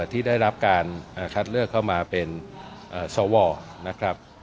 ที่ได้รับการคัดเลือกเข้ามาเป็นสวนะครับ